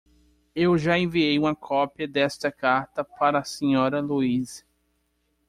Eu já enviei uma cópia desta carta para a Sra. Louise.